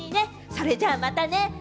それじゃ、またね！